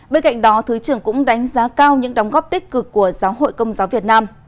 bên cạnh đó thứ trưởng cũng đánh giá cao những đóng góp tích cực của giáo hội công giáo việt nam